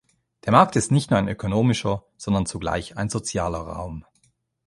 Der Markt ist nicht nur ein ökonomischer, sondern zugleich ein sozialer Raum.